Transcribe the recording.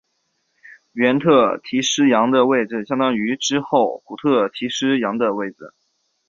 原特提斯洋的位置相当于之后古特提斯洋的位置。